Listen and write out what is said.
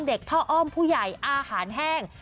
เด็กพ่ออ้อมผู้ใหญ่อาหารแห้ง